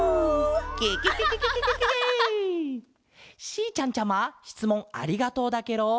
しーちゃんちゃましつもんありがとうだケロ！